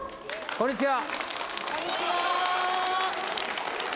こんにちは。